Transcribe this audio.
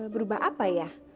berubah apa ya